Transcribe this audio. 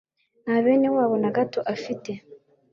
Nta bene wabo na gato afite.